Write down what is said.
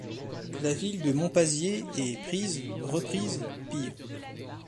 La ville de Monpazier est prise, reprise, pillée.